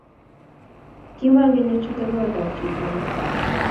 Kimangen achute kot ap chito ake